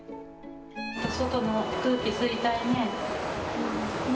外の空気、吸いたいね。